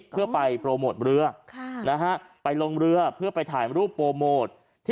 เพื่อไปโปรโมทเรือไปลงเรือเพื่อไปถ่ายรูปโปรโมท